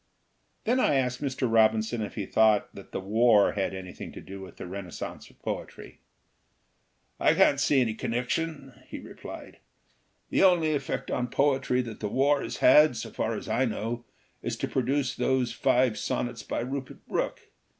Then I asked Mr. Robinson if he thought that the war had anything to do with the renascence of poetry. '' I can't see any connection ," he replied .' l The only effect on poetry that the war has had, so far as I know, is to produce those five sonnets by Rupert Brooke.